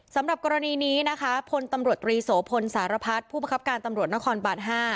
สำหรับกรณีนี้นะคะพลตำรวจตรีโสพลสารพัฒน์ผู้ประคับการตำรวจนครบาน๕